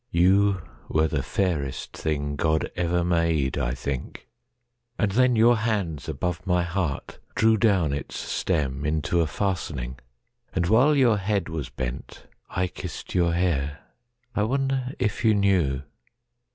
(You were the fairest thing God ever made,I think.) And then your hands above my heartDrew down its stem into a fastening, And while your head was bent I kissed your hair.I wonder if you knew.